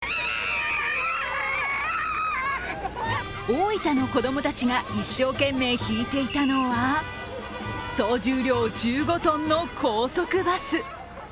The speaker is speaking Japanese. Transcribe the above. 大分の子供たちが一生懸命引いていたのは総重量１５ｔの高速バス。